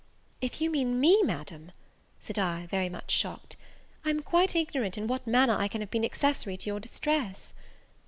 "If you mean me, Madam," said I, very much shocked, "I am quite ignorant in what manner I can have been accessary to your distress."